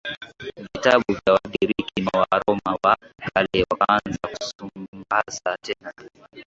vitabu vya Wagiriki na Waroma wa kale Wakaanza kusambaza tena